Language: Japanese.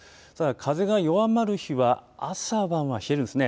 風が弱まる日は朝晩は冷えるんですね。